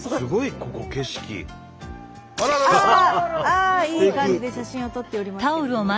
ああいい感じで写真を撮っておりますけれどもね。